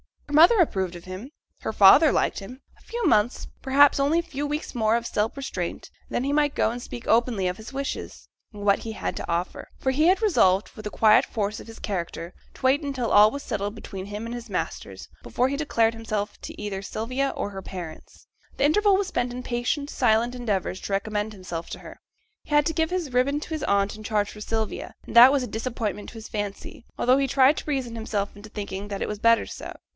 Her mother approved of him, her father liked him. A few months, perhaps only a few weeks more of self restraint, and then he might go and speak openly of his wishes, and what he had to offer. For he had resolved, with the quiet force of his character, to wait until all was finally settled between him and his masters, before he declared himself to either Sylvia or her parents. The interval was spent in patient, silent endeavours to recommend himself to her. He had to give his ribbon to his aunt in charge for Sylvia, and that was a disappointment to his fancy, although he tried to reason himself into thinking that it was better so.